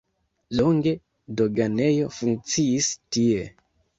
Longe doganejo funkciis tie.